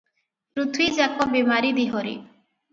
ପୃଥ୍ଵୀଯାକ ବେମାରି ଦେହରେ ।